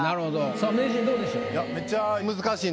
さあ名人どうでしょう？